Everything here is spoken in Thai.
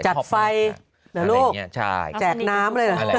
จัดไฟเหลือลูกแจกน้ำเลย